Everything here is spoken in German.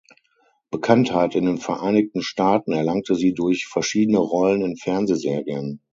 Bekanntheit in den Vereinigten Staaten erlangte sie durch verschiedene Rollen in Fernsehserien.